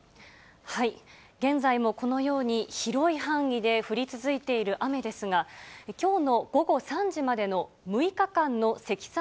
現在もこのように広い範囲で降り続いている雨ですが、きょうの午後３時までの６日間の積算